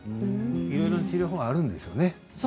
いろいろ治療法があるんですよね。